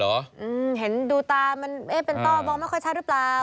เห็นดูตามันเอ๊ะเป็นต้อบอกไม่ค่อยใช่รึเปล่า